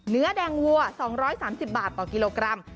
เนื้อแดงวัว๒๓๐บาทต่อกิโลกรัม